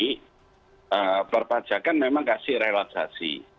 perpajakan memang kasih relaksasi